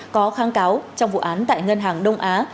có kháng cáo trong vụ án tại ngân hàng đông á